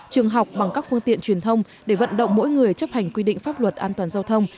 trường học bằng các phương tiện truyền thông để vận động mỗi người chấp hành quy định pháp luật an toàn giao thông